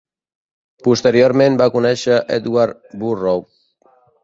Posteriorment va conèixer Edward Burrough.